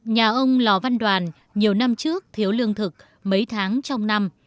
nhà ông lò văn đoàn nhiều năm trước thiếu lương thực mấy tháng trong năm